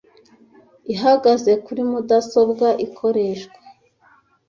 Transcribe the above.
ihagaze kuri mudasobwa ikoreshwa